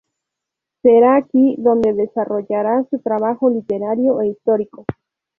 Será aquí donde desarrollará su trabajo literario e histórico.